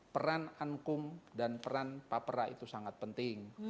peran ankum dan peran papera itu sangat penting